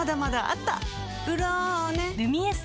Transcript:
「ブローネ」「ルミエスト」